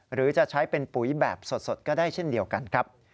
หรือจะใช้เป็นปุ๋ยแบบสดก็ได้เช่นเดียวกันครับ